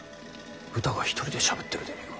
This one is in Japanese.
うたが一人でしゃべってるでねぇか。